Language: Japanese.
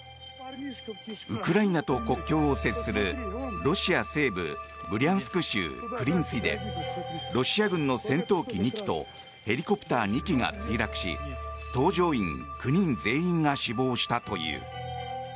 ウクライナと国境を接するロシア西部ブリャンスク州クリンツィでロシア軍の戦闘機２機とヘリコプター２機が墜落し搭乗員９人全員が死亡したという。